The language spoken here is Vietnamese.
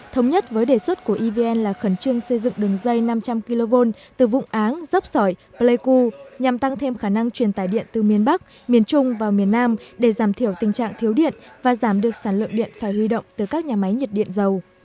thống nhất với đề xuất của evn là khẩn trương xây dựng đường dây năm trăm linh kv từ vụng áng dốc sỏi pleiku nhằm tăng thêm khả năng truyền tải điện từ miền bắc miền trung vào miền nam để giảm thiểu tình trạng thiếu điện và giảm được sản lượng điện phải huy động từ các nhà máy nhiệt điện dầu